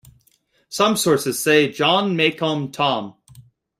Some sources say John Macom Thome.